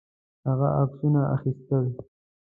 هغه عکسونه اخیستل.